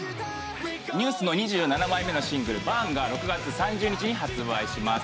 ＮＥＷＳの２７枚目のシングル『ＢＵＲＮ』が６月３０日に発売します。